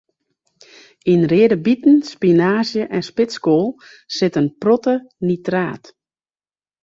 Yn reade biten, spinaazje en spitskoal sit in protte nitraat.